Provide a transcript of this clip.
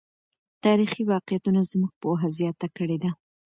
تاریخي واقعیتونه زموږ پوهه زیاته کړې ده.